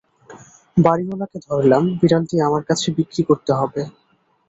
বাড়িঅলাকে ধরলাম, বিড়ালটি আমার কাছে বিক্রি করতে হবে।